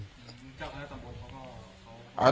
เจ้าคณะสมบุลเขาก็